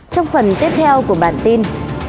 trong phần tiếp theo của bản tin